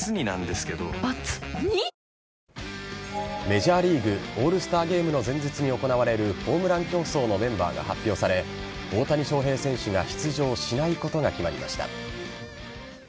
メジャーリーグオールスターゲームの前日に行われるホームラン競争のメンバーが発表され大谷翔平選手が出場しないことが決まりました。